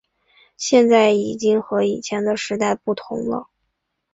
现在已经和以前的时代不同了